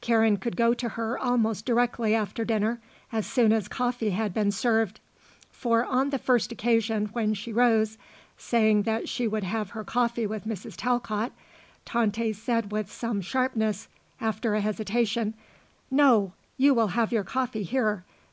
Karen could go to her almost directly after dinner, as soon as coffee had been served; for on the first occasion when she rose, saying that she would have her coffee with Mrs. Talcott, Tante said with some sharpness after a hesitation: "No; you will have your coffee here.